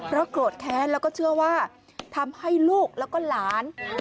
เพราะโกรธแค้นแล้วก็เชื่อว่าทำให้ลูกแล้วก็หลาน